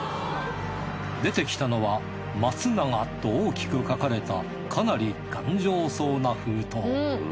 出てきたのは松永と大きく書かれたかなり頑丈そうな封筒。